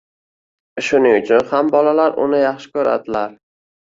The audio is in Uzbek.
Shuning uchun ham bolalar uni yaxshi ko‘radilar.